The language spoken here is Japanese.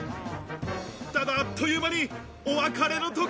ただ、あっという間にお別れの時。